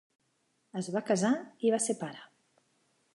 Es va casar i va ser pare.